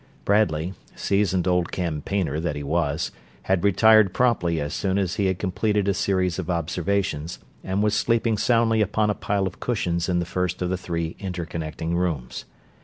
Bradley, seasoned old campaigner that he was, had retired promptly as soon as he had completed a series of observations, and was sleeping soundly upon a pile of cushions in the first of the three inter connecting rooms.